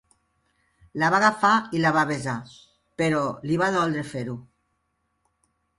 La va agafar i la va besar; però li va doldre fer-ho.